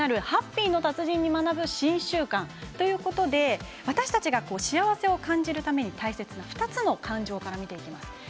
ハッピーの達人に学ぶ新習慣ということで私たちが幸せを感じるために大切な２つの感情から見ていきます。